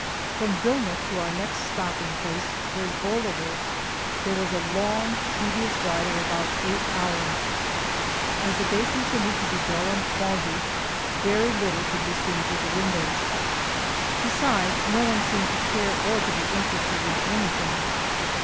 From Vilna to our next stopping place, Verzbolovo, there was a long, tedious ride of about eight hours. As the day continued to be dull and foggy, very little could be seen through the windows. Besides, no one seemed to care or to be interested in anything.